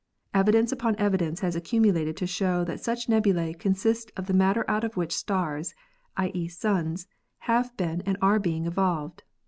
Evidence upon evidence has accumulated to show that such nebulse consist of the matter out of which stars — i.e., suns — have been and are being evolved.